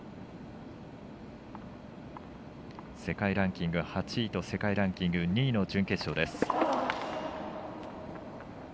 世界ランキング８位と世界ランキング２位の準決勝です。